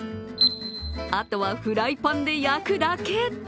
あとは、フライパンで焼くだけ。